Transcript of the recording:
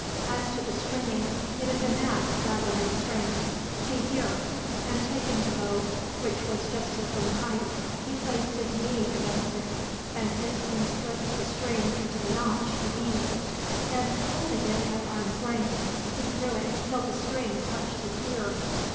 As to the stringing, it is knack rather than strength. See here," and taking the bow, which was just his own height, he placed his knee against it, bent it and slipped the string into the notch, with ease. Then holding it at arms length, he drew it till the string touched his ear.